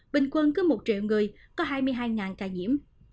bình quân cứ một triệu người có hai mươi hai ca nhiễm